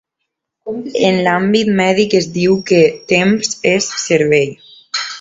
En l'àmbit mèdic es diu que "temps és cervell".